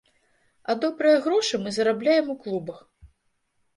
А добрыя грошы мы зарабляем у клубах.